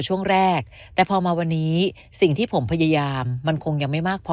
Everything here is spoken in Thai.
ช่วงแรกแต่พอมาวันนี้สิ่งที่ผมพยายามมันคงยังไม่มากพอ